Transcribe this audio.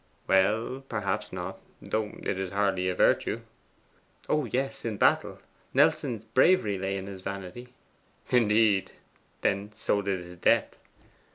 'Well, perhaps not. Though it is hardly a virtue.' 'Oh yes, in battle! Nelson's bravery lay in his vanity.' 'Indeed! Then so did his death.